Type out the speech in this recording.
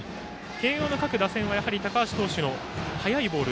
慶応の各打線は高橋投手の速いボール